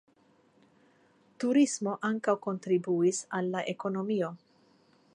Turismo ankaŭ kontribuis al la ekonomio.